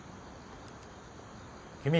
君。